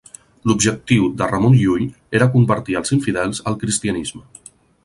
L'objectiu de Ramon Llull era convertir els infidels al cristianisme.